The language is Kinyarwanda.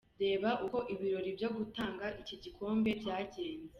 Reba uko ibirori byo gutanga iki gikombe byagenze:.